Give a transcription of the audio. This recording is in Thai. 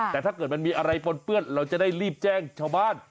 แต่ถ้าเกิดมันมีอะไรปนเปื้อนเราจะได้รีบแจ้งชาวบ้าน